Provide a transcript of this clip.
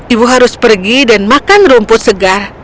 ibu harus pergi dan makan rumput segar